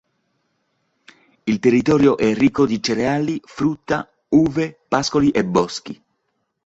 Il territorio è ricco di cereali, frutta, uve, pascoli e boschi.